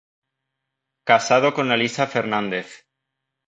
Casado con Elisa Fernández.